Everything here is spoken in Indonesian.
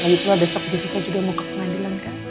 lalu itulah besok besok juga mau ke pengadilan kak